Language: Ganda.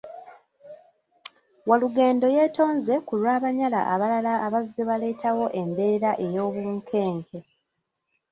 Walugendo yeetonze ku lw’Abanyala abalala abazze baleetawo embeera ey’obunkenke.